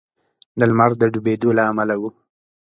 د لمر د ډبېدو له امله و.